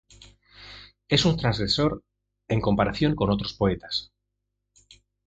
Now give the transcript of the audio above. Es un transgresor en comparación con otros poetas.